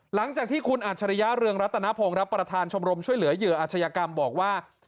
หลังจากที่คุณอัจฉริยะเรืองรัตนพงศ์ครับประธานชมรมช่วยเหลือเหยื่ออาชญากรรมบอกว่า